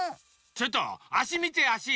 ちょっとあしみてあし。